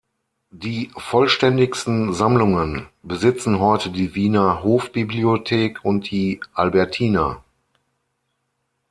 Die vollständigsten Sammlungen besitzen heute die Wiener Hofbibliothek und die Albertina.